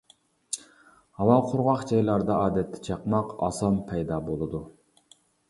ھاۋا قۇرغاق جايلاردا ئادەتتە چاقماق ئاسان پەيدا بولىدۇ.